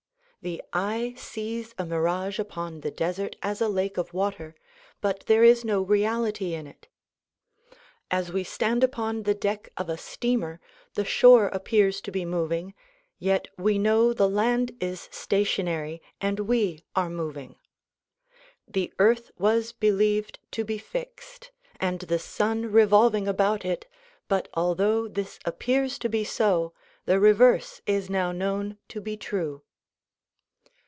The eye sees a mirage upon the desert as a lake of water but there is no reality in it. As we stand upon the deck of a steamer the shore DISCOURSES DELIVERED IN NEW YORK 19 appears to be moving, yet we know the land is stationary and we are moving. The earth was believed to be fixed and the sun re volving about it but although this appears to be so, the reverse is now known to be true.